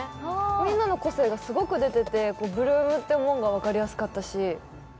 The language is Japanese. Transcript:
みんなの個性がすごく出てて、８ＬＯＯＭってもんが分かりやすかったし。